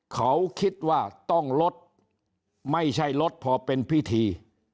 เขาคิดว่าต้องลดไม่ใช่ลดพอเป็นพิธี